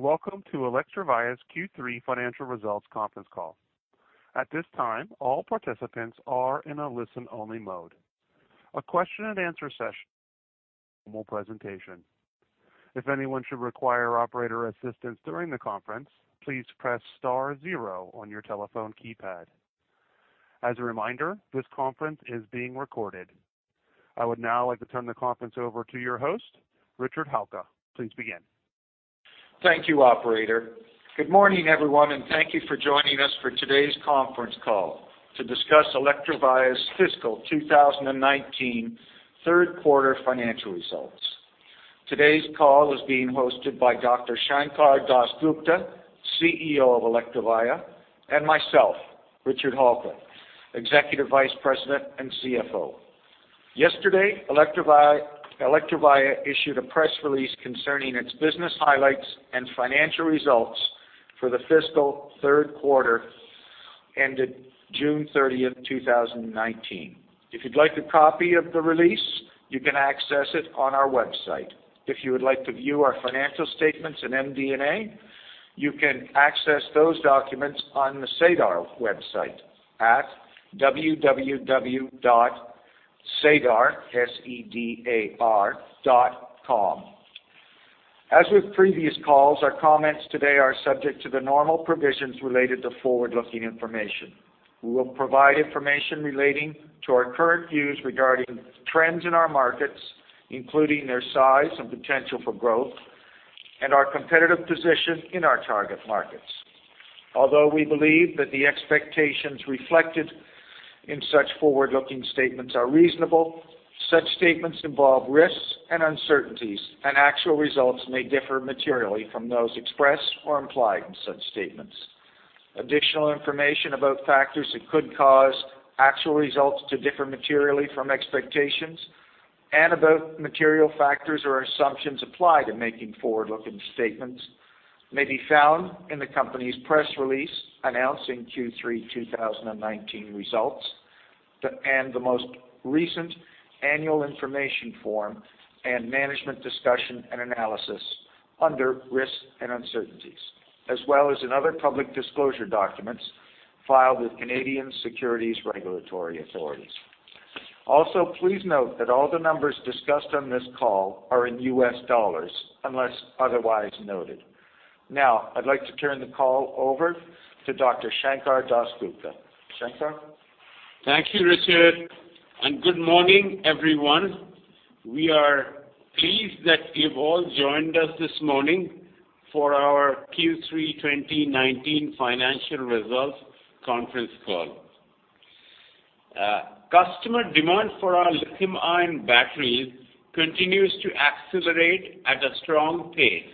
Greetings, welcome to Electrovaya's Q3 Financial Results Conference Call. At this time, all participants are in a listen-only mode. A question and answer session will follow the presentation. If anyone should require operator assistance during the conference, please press star zero on your telephone keypad. As a reminder, this conference is being recorded. I would now like to turn the conference over to your host, Richard Halka. Please begin. Thank you, Operator. Good morning, everyone, and thank you for joining us for today's conference call to discuss Electrovaya's fiscal 2019 third quarter financial results. Today's call is being hosted by Dr. Sankar Das Gupta, CEO of Electrovaya, and myself, Richard Halka, Executive Vice President and CFO. Yesterday, Electrovaya issued a press release concerning its business highlights and financial results for the fiscal third quarter ended June 30th, 2019. If you'd like a copy of the release, you can access it on our website. If you would like to view our financial statements in MD&A, you can access those documents on the SEDAR website at www.sedar, S-E-D-A-R, .com. As with previous calls, our comments today are subject to the normal provisions related to forward-looking information. We will provide information relating to our current views regarding trends in our markets, including their size and potential for growth and our competitive position in our target markets. Although we believe that the expectations reflected in such forward-looking statements are reasonable, such statements involve risks and uncertainties, and actual results may differ materially from those expressed or implied in such statements. Additional information about factors that could cause actual results to differ materially from expectations and about material factors or assumptions applied in making forward-looking statements may be found in the company's press release announcing Q3 2019 results and the most recent annual information form and management discussion and analysis under risks and uncertainties, as well as in other public disclosure documents filed with Canadian securities regulatory authorities. Please note that all the numbers discussed on this call are in US dollars, unless otherwise noted. Now, I'd like to turn the call over to Dr. Sankar Das Gupta. Sankar? Thank you, Richard, and good morning, everyone. We are pleased that you've all joined us this morning for our Q3 2019 financial results conference call. Customer demand for our lithium-ion batteries continues to accelerate at a strong pace.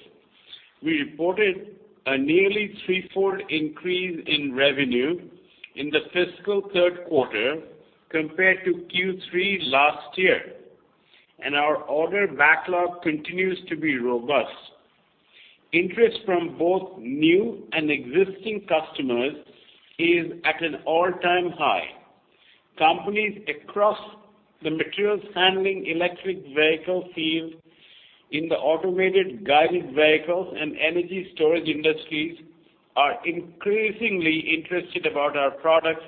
We reported a nearly threefold increase in revenue in the fiscal third quarter compared to Q3 last year, and our order backlog continues to be robust. Interest from both new and existing customers is at an all-time high. Companies across the materials handling electric vehicle field in the automated guided vehicles and energy storage industries are increasingly interested about our products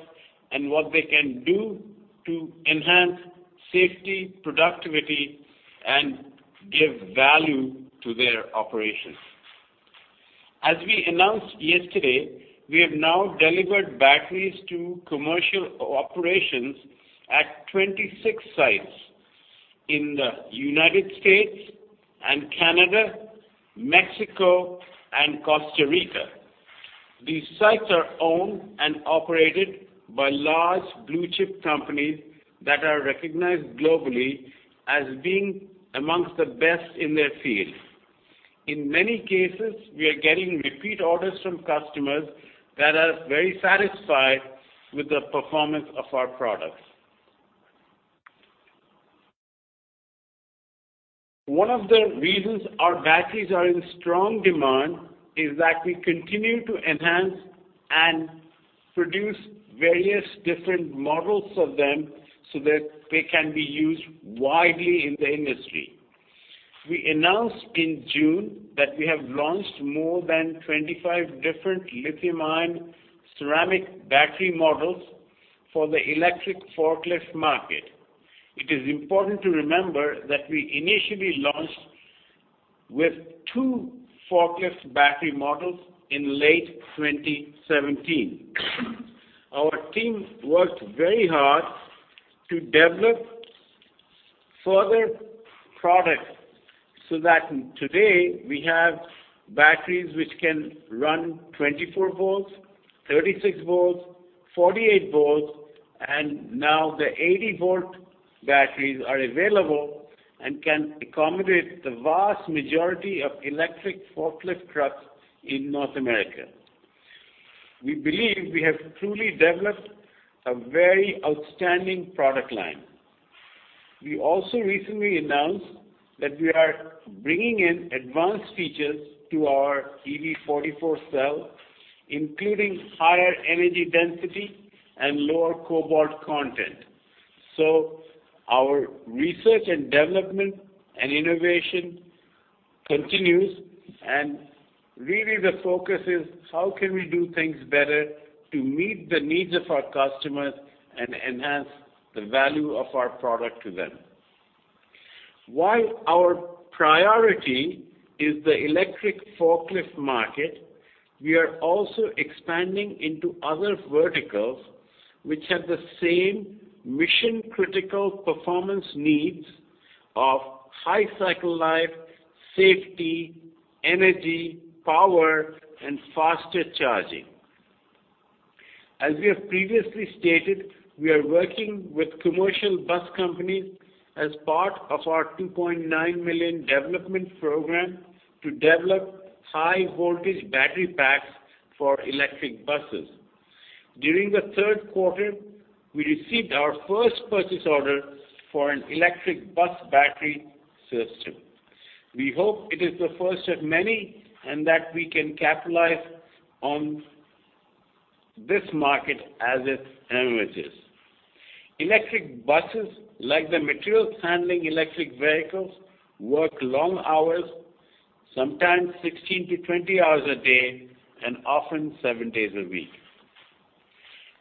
and what they can do to enhance safety, productivity, and give value to their operations. As we announced yesterday, we have now delivered batteries to commercial operations at 26 sites in the United States and Canada, Mexico, and Costa Rica. These sites are owned and operated by large blue-chip companies that are recognized globally as being amongst the best in their field. In many cases, we are getting repeat orders from customers that are very satisfied with the performance of our products. One of the reasons our batteries are in strong demand is that we continue to enhance and produce various different models of them so that they can be used widely in the industry. We announced in June that we have launched more than 25 different lithium-ion ceramic battery models for the electric forklift market. It is important to remember that we initially launched with two forklift battery models in late 2017. Our team worked very hard to develop further products so that today we have batteries which can run 24 volts, 36 volts, 48 volts, and now the 80-volt batteries are available and can accommodate the vast majority of electric forklift trucks in North America. We believe we have truly developed a very outstanding product line. We also recently announced that we are bringing in advanced features to our EV44 cell, including higher energy density and lower cobalt content. Our research and development and innovation continues, and really the focus is how can we do things better to meet the needs of our customers and enhance the value of our product to them. While our priority is the electric forklift market, we are also expanding into other verticals which have the same mission-critical performance needs of high cycle life, safety, energy, power, and faster charging. As we have previously stated, we are working with commercial bus companies as part of our $2.9 million development program to develop high-voltage battery packs for electric buses. During the third quarter, we received our first purchase order for an electric bus battery system. We hope it is the first of many, and that we can capitalize on this market as it emerges. Electric buses, like the materials handling electric vehicles, work long hours, sometimes 16 to 20 hours a day and often seven days a week.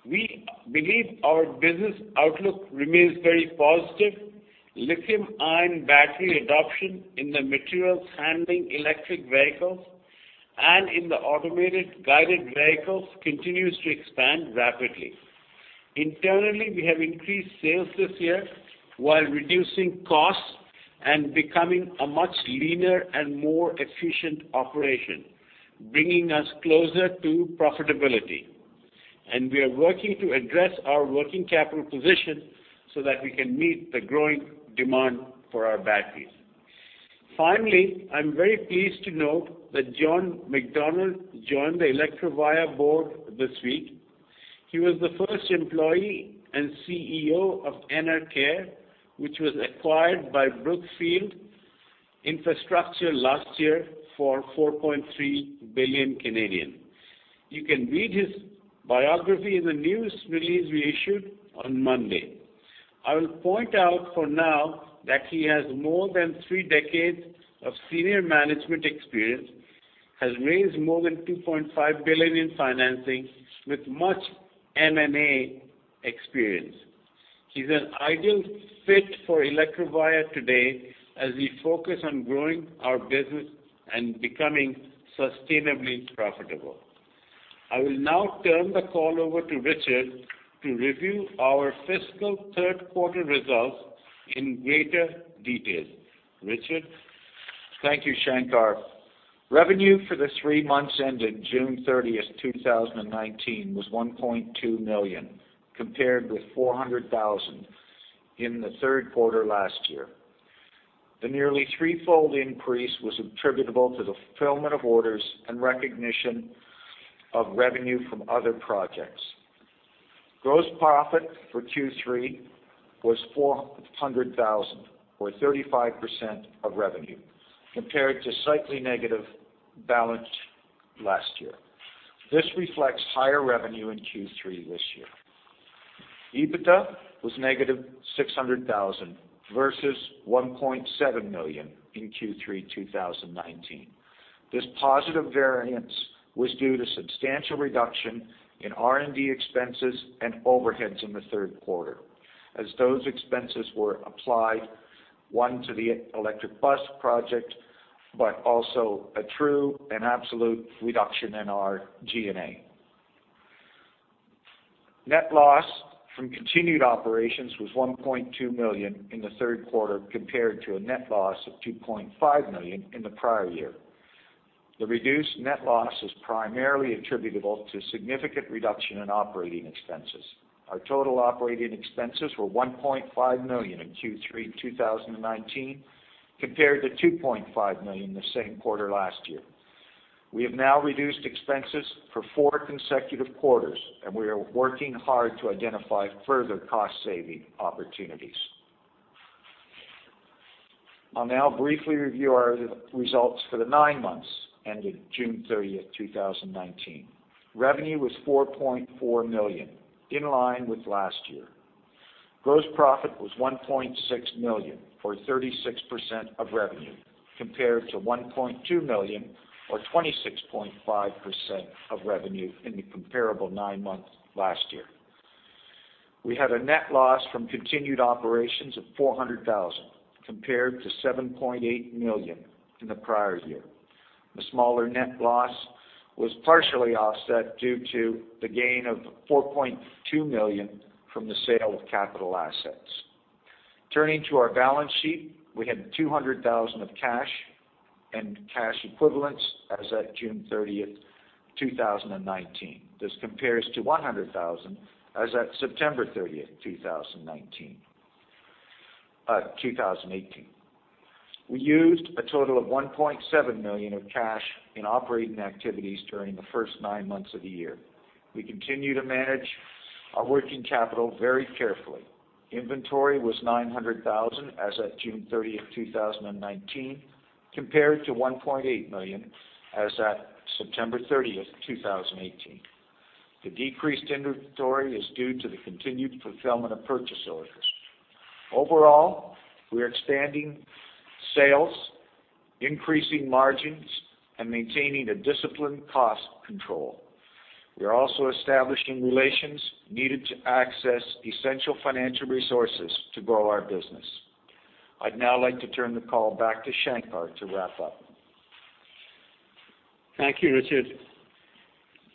We believe our business outlook remains very positive. Lithium-ion battery adoption in the materials handling electric vehicles and in the automated guided vehicles continues to expand rapidly. Internally, we have increased sales this year while reducing costs and becoming a much leaner and more efficient operation, bringing us closer to profitability. We are working to address our working capital position so that we can meet the growing demand for our batteries. Finally, I'm very pleased to note that John Macdonald joined the Electrovaya board this week. He was the first employee and CEO of Enercare, which was acquired by Brookfield Infrastructure last year for 4.3 billion. You can read his biography in the news release we issued on Monday. I will point out for now that he has more than three decades of senior management experience, has raised more than 2.5 billion in financing with much M&A experience. He's an ideal fit for Electrovaya today as we focus on growing our business and becoming sustainably profitable. I will now turn the call over to Richard to review our fiscal third-quarter results in greater detail. Richard? Thank you, Sankar. Revenue for the three months ended June 30th, 2019, was $1.2 million, compared with $400,000 in the third quarter last year. The nearly threefold increase was attributable to the fulfillment of orders and recognition of revenue from other projects. Gross profit for Q3 was $400,000, or 35% of revenue, compared to slightly negative balance last year. This reflects higher revenue in Q3 this year. EBITDA was negative $600,000 versus $1.7 million in Q3 2019. This positive variance was due to substantial reduction in R&D expenses and overheads in the third quarter, as those expenses were applied, one, to the electric bus project, but also a true and absolute reduction in our G&A. Net loss from continued operations was $1.2 million in the third quarter, compared to a net loss of $2.5 million in the prior year. The reduced net loss is primarily attributable to significant reduction in operating expenses. Our total operating expenses were 1.5 million in Q3 2019, compared to 2.5 million the same quarter last year. We have now reduced expenses for four consecutive quarters, and we are working hard to identify further cost-saving opportunities. I will now briefly review our results for the nine months ended June 30th, 2019. Revenue was 4.4 million, in line with last year. Gross profit was 1.6 million, or 36% of revenue, compared to 1.2 million or 26.5% of revenue in the comparable nine months last year. We had a net loss from continued operations of 400,000, compared to 7.8 million in the prior year. The smaller net loss was partially offset due to the gain of 4.2 million from the sale of capital assets. Turning to our balance sheet, we had $200,000 of cash and cash equivalents as at June 30th, 2019. This compares to $100,000 as at September 30th, 2018. We used a total of $1.7 million of cash in operating activities during the first nine months of the year. We continue to manage our working capital very carefully. Inventory was $900,000 as at June 30th, 2019. Compared to $1.8 million as at September 30th, 2018. The decreased inventory is due to the continued fulfillment of purchase orders. Overall, we are expanding sales, increasing margins, and maintaining a disciplined cost control. We are also establishing relations needed to access essential financial resources to grow our business. I'd now like to turn the call back to Sankar to wrap up. Thank you, Richard.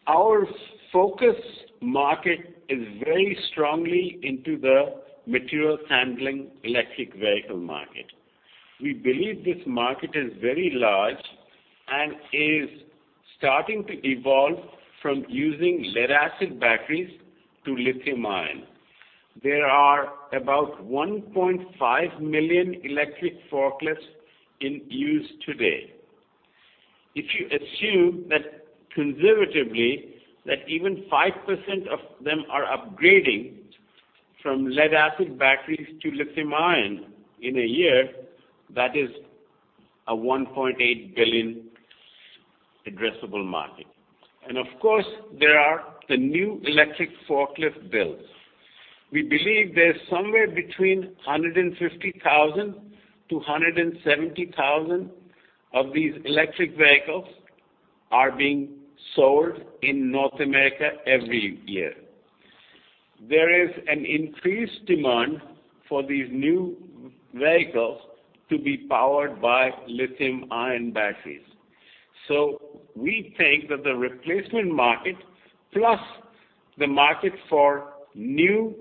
Our focus market is very strongly into the material handling electric vehicle market. We believe this market is very large and is starting to evolve from using lead-acid batteries to lithium-ion. There are about 1.5 million electric forklifts in use today. If you assume conservatively that even 5% of them are upgrading from lead-acid batteries to lithium-ion in a year, that is a $1.8 billion addressable market. Of course, there are the new electric forklift builds. We believe there's somewhere between 150,000 to 170,000 of these electric vehicles are being sold in North America every year. There is an increased demand for these new vehicles to be powered by lithium-ion batteries. We think that the replacement market, plus the market for new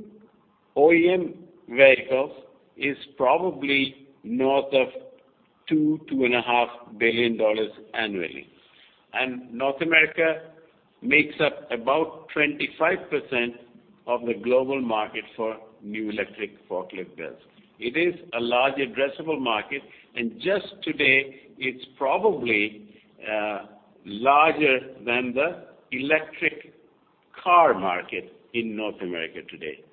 OEM vehicles, is probably north of $2 billion-$2.5 billion annually. North America makes up about 25% of the global market for new electric forklift builds. It is a large addressable market, and just today, it's probably larger than the electric car market in North America today.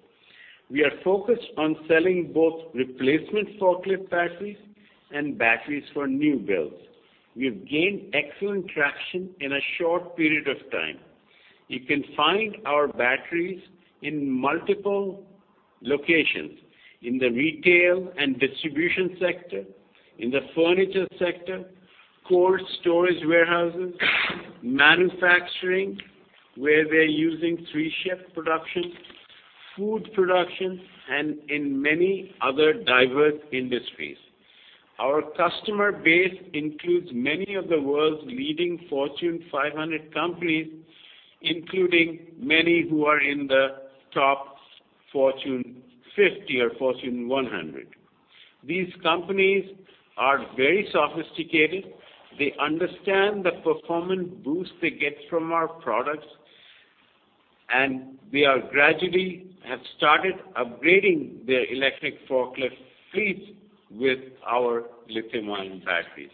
We are focused on selling both replacement forklift batteries and batteries for new builds. We have gained excellent traction in a short period of time. You can find our batteries in multiple locations, in the retail and distribution sector, in the furniture sector, cold storage warehouses, manufacturing, where they're using three-shift production, food production, and in many other diverse industries. Our customer base includes many of the world's leading Fortune 500 companies, including many who are in the top Fortune 50 or Fortune 100. These companies are very sophisticated. They understand the performance boost they get from our products, and they gradually have started upgrading their electric forklift fleets with our lithium-ion batteries.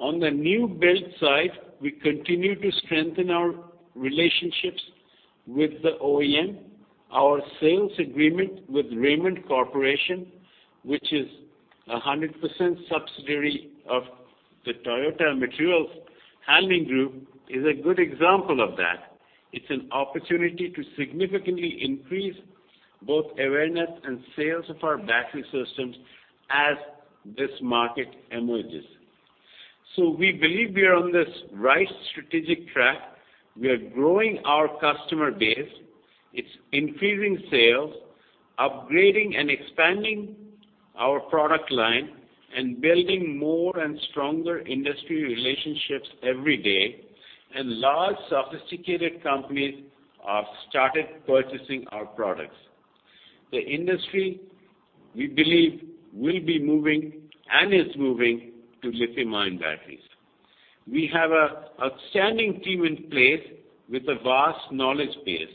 On the new build side, we continue to strengthen our relationships with the OEM. Our sales agreement with Raymond Corporation, which is a 100% subsidiary of the Toyota Material Handling group, is a good example of that. It's an opportunity to significantly increase both awareness and sales of our battery systems as this market emerges. We believe we are on this right strategic track. We are growing our customer base. It's increasing sales, upgrading and expanding our product line, and building more and stronger industry relationships every day, and large sophisticated companies have started purchasing our products. The industry, we believe, will be moving and is moving to lithium-ion batteries. We have an outstanding team in place with a vast knowledge base.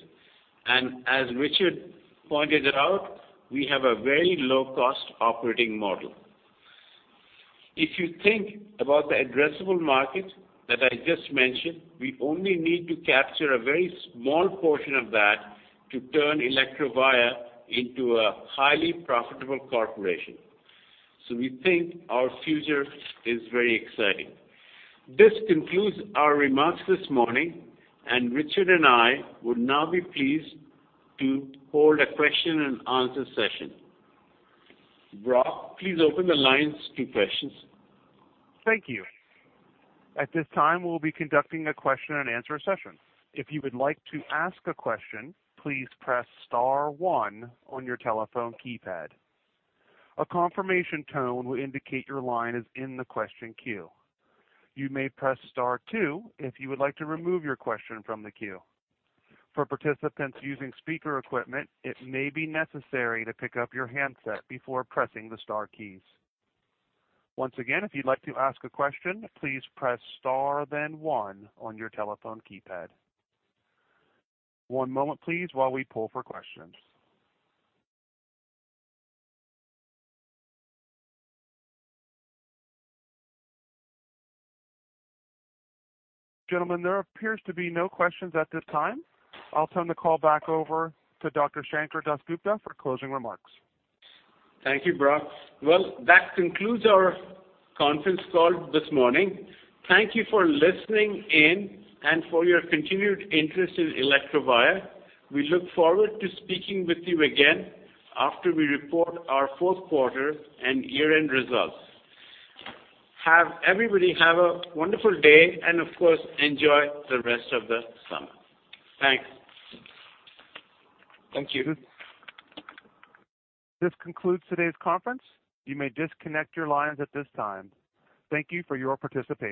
As Richard pointed out, we have a very low-cost operating model. If you think about the addressable market that I just mentioned, we only need to capture a very small portion of that to turn Electrovaya into a highly profitable corporation. We think our future is very exciting. This concludes our remarks this morning. Richard and I would now be pleased to hold a question and answer session. Brock, please open the lines to questions. Thank you. At this time, we'll be conducting a question and answer session. If you would like to ask a question, please press star one on your telephone keypad. A confirmation tone will indicate your line is in the question queue. You may press star two if you would like to remove your question from the queue. For participants using speaker equipment, it may be necessary to pick up your handset before pressing the star keys. Once again, if you'd like to ask a question, please press star, then one on your telephone keypad. One moment, please, while we pull for questions. Gentlemen, there appears to be no questions at this time. I'll turn the call back over to Dr. Sankar Das Gupta for closing remarks. Thank you, Brock. Well, that concludes our conference call this morning. Thank you for listening in and for your continued interest in Electrovaya. We look forward to speaking with you again after we report our fourth quarter and year-end results. Everybody have a wonderful day and, of course, enjoy the rest of the summer. Thanks. Thank you. This concludes today's conference. You may disconnect your lines at this time. Thank you for your participation.